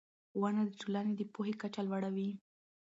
ښوونه د ټولنې د پوهې کچه لوړه وي